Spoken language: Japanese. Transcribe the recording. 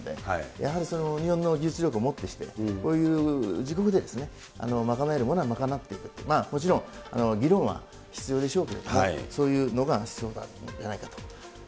やはり日本の技術力をもってして、こういう自国で、賄えるものは賄っていく、もちろん、議論は必要でしょうけれども、そういうことですね。